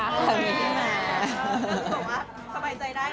ก็คือบอกว่าสบายใจได้